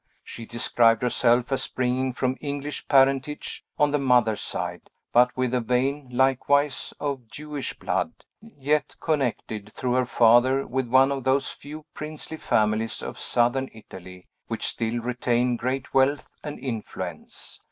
She described herself as springing from English parentage, on the mother's side, but with a vein, likewise, of Jewish blood; yet connected, through her father, with one of those few princely families of Southern Italy, which still retain great wealth and influence.